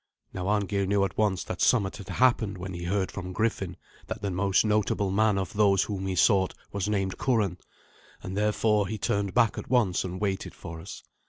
Now Arngeir knew at once that somewhat had happened when he heard from Griffin that the most notable man of those whom he sought was named Curan, and therefore he turned back at once and waited for us.